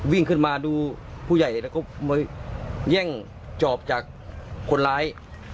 วิ่งขึ้นมาดูผู้ใหญ่แล้วก็มาแย่งจอบจากคนร้าย